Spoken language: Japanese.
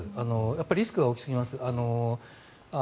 やっぱりリスクが大きすぎます。